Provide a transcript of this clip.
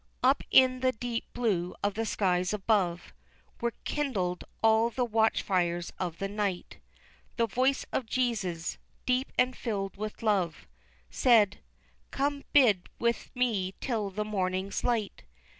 Up in the deep blue of the skies above Were kindled all the watchfires of the night The voice of Jesus, deep and filled with love, Said, "Come, bide with me till the morning's light.